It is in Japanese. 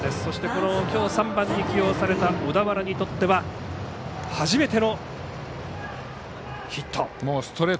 そして今日３番に起用された小田原にとっては初めてのヒット。